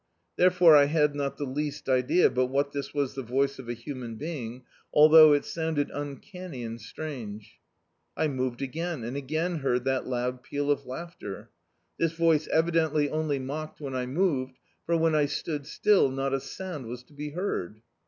There fore, I had not the least idea but what this was the voice of a human being, although it sounded un canny and strange. I moved again, and agam heard that loud peal of lau^ter. This voice evidently only mocked when I moved, for when I stood still, not a sound was to be heard.